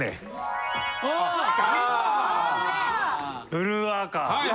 ブルワーカー。